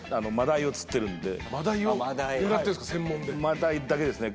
マダイだけですね。